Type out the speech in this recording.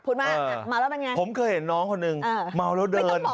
ผมเคยเห็นน้องคนหนึ่งเมาแล้วเดิน